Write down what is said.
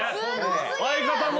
相方も？